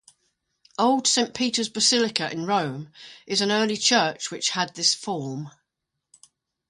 Old Saint Peter's Basilica in Rome is an early church which had this form.